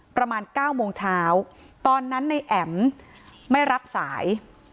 ประมาณ๙โมงเช้าตอนนั้นในแอ๋มไม่รับสาย